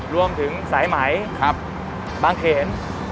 รวมถึงสายไหมบางเขน